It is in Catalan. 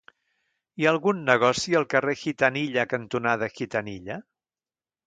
Hi ha algun negoci al carrer Gitanilla cantonada Gitanilla?